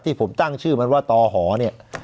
ที่ผมตั้งชื่อมันว่าต่อหอเนี่ย